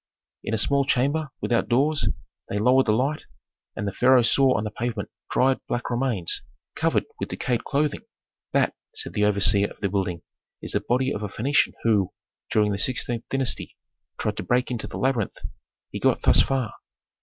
In a small chamber without doors they lowered the light, and the pharaoh saw on the pavement dried, black remains, covered with decayed clothing. "That," said the overseer of the building, "is the body of a Phœnician who, during the sixteenth dynasty, tried to break into the labyrinth; he got thus far."